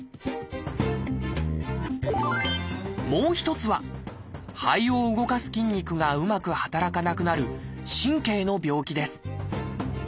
もう一つは肺を動かす筋肉がうまく働かなくなる神経の病気です。